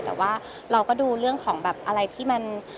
แต่ว่าเราก็ดูเรื่องของแบบอะไรที่มัน